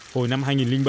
hồi năm hai nghìn bảy